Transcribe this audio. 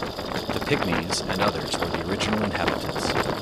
The Pigmies and others were the original inhabitants.